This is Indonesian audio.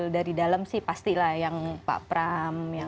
dari dalam sih pastilah yang pak pram